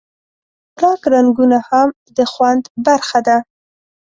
د خوراک رنګونه هم د خوند برخه ده.